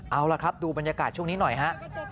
เอาล่ะครับดูบรรยากาศช่วงนี้หน่อยฮะ